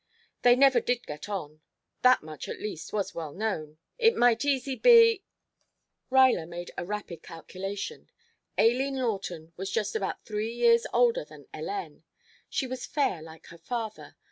They never did get on. That much, at least, was well known. It might easy be " Ruyler made a rapid calculation. Aileen Lawton was just about three years older than Hélène. She was fair like her father.